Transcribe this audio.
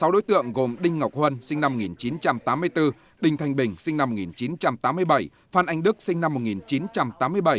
sáu đối tượng gồm đinh ngọc huân sinh năm một nghìn chín trăm tám mươi bốn đinh thanh bình sinh năm một nghìn chín trăm tám mươi bảy phan anh đức sinh năm một nghìn chín trăm tám mươi bảy